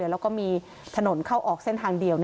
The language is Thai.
แล้วก็มีถนนเข้าออกเส้นทางเดียว